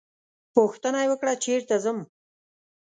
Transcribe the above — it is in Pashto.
پوښتنه یې وکړه چېرته ځم.